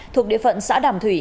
thuộc địa phận xã đàm thủy